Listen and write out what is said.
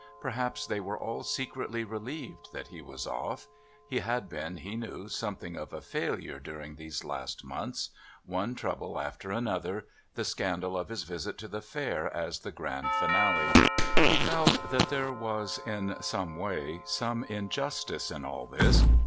Perhaps they were all secretly relieved that he was off. He had been, he knew, something of a failure during these last months; one trouble after another; the scandal of his visit to the Fair as the grand finale. He felt that there was, in some way, some injustice in all this.